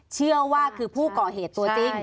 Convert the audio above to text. เชื่อว่าคือผู้ก่อเหตุตัวจริง